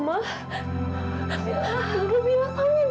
aduh bu farah saya nanti